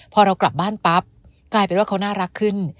พอเรากลับบ้านปั๊บกลายเป็นว่าเขาน่ารักขึ้น